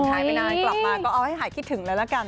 หายไปนานกลับมาเอาให้ถึงแล้วกัน